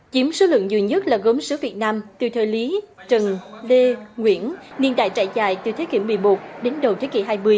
chiếm số lượng nhiều nhất là gốm sứa việt nam từ thời lý trần lê nguyễn niên đại trải dài từ thế kỷ một mươi một đến đầu thế kỷ hai mươi